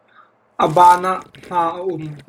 A baan ah hma a um.